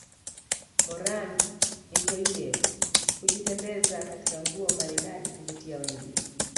Moran intoyie hujitembeza katika nguo maridadi kuvutia wengi